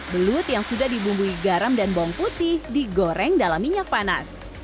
belut yang sudah dibumbui garam dan bawang putih digoreng dalam minyak panas